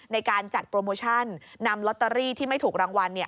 ในการจัดโปรโมชั่นนำลอตเตอรี่ที่ไม่ถูกรางวัล